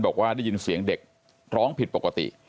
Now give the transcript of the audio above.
บอกว่าได้ยินเสียงเด็กร้องผิดปกติ